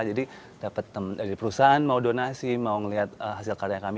jadi dapat teman dari perusahaan mau donasi mau melihat hasil karya kami